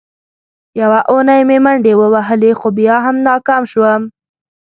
یوه اونۍ مې منډې ووهلې، خو بیا هم ناکام شوم.